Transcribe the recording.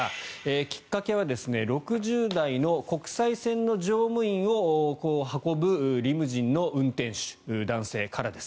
きっかけは６０代の国際線の乗務員を運ぶリムジンの運転手男性からです。